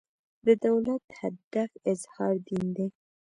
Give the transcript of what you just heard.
د دولت هدف اظهار دین دی.